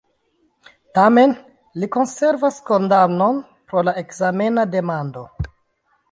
Tamen, li konservas kondamnon pro la ekzamena demando.